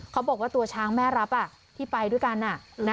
เขาบอกว่าตัวช้างแม่รับที่ไปด้วยกัน